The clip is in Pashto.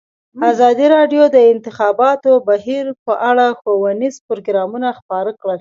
ازادي راډیو د د انتخاباتو بهیر په اړه ښوونیز پروګرامونه خپاره کړي.